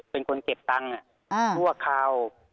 เป็นคนเก็บตังค์ชั่วคราว